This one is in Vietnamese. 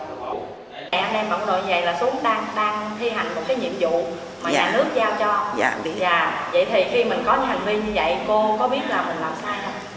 phượng đang thi hành một nhiệm vụ mà nhà nước giao cho vậy thì khi mình có những hành vi như vậy cô có biết là mình làm sai không